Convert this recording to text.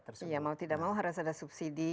terus ya mau tidak mau harus ada subsidi